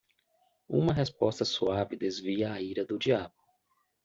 Uma resposta suave desvia a ira do diabo